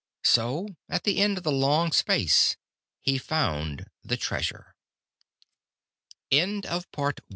So, at the end of the long space, he found the treasure. Glittering in